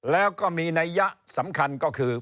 แล้วก็มีนัยยะสำคัญก็คือ